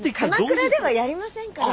鎌倉ではやりませんから。